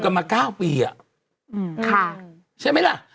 ตราบใดที่ตนยังเป็นนายกอยู่